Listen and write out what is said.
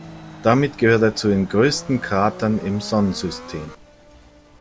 Damit gehört er zu den größten Kratern im Sonnensystem.